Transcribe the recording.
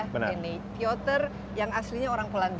piotr yang aslinya orang polandia